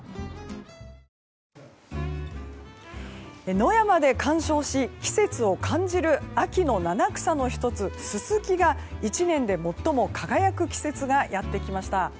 野山で観賞し季節を感じる秋の七草の１つ、ススキが１年で最も輝く季節がやってきました。